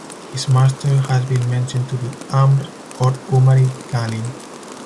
His master has been mentioned to be Amr or Umar ibn Khalid.